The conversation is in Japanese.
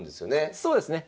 そうですね。